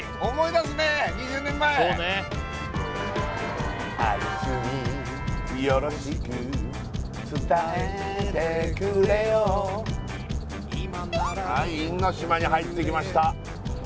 そうねはい因島に入ってきました